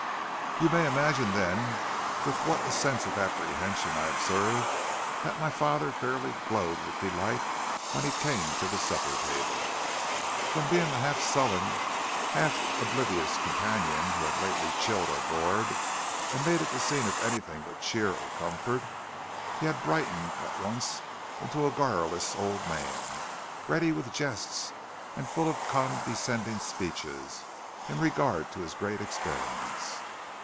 "You may imagine then with what a sense of apprehension I observed that my father fairly glowed with delight when he came to the supper table. From being the half sullen, half oblivious companion who had lately chilled our board and made it the scene of anything but cheer or comfort, he had brightened at once into a garrulous old man, ready with jests and full of condescending speeches in regard to his great experiments.